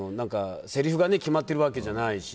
せりふが決まっているわけじゃないし。